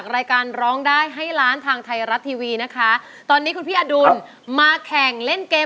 ขาล้องใดแหน่นอนเลยเพื่อนเอ้ย